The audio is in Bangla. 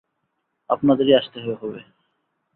আপনাদের আসতেই হবে।